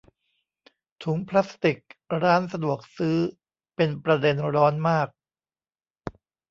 ถุงพลาสติกร้านสะดวกซื้อเป็นประเด็นร้อนมาก